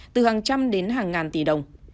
từ hàng trăm đến hàng ngàn tỷ đồng